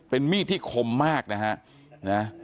เป็นมีดที่คมมากนะฮะ